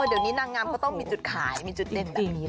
เดี๋ยวนี้นางงามก็ต้องมีจุดขายมีจุดเด่นแบบนี้แหละ